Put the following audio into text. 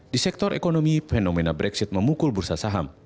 di sektor ekonomi fenomena brexit memukul bursa saham